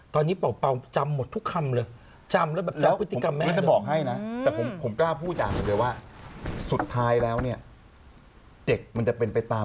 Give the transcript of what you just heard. โกรธป๊าป๊าแล้วนะอย่างเมื่อวานมาเนี่ยโกรธป๊าป๊า